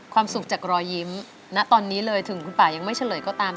สุขจากรอยยิ้มณตอนนี้เลยถึงคุณป่ายังไม่เฉลยก็ตาม